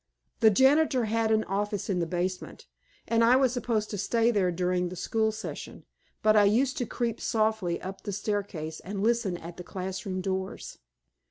The janitor had an office in the basement, and I was supposed to stay there during the school session, but I used to creep softly up the stairway and listen at the class room doors.